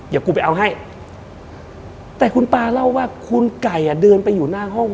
เดี๋ยวกูไปเอาให้แต่คุณปลาเล่าว่าคุณไก่อ่ะเดินไปอยู่หน้าห้อง